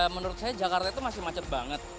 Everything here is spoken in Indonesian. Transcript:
menurut saya jakarta itu masih macet banget